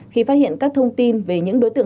khi phát hiện các thông tin về những đối tượng